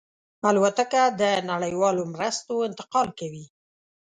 الوتکه د نړیوالو مرستو انتقال کوي.